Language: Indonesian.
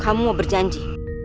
kamu mau berjanji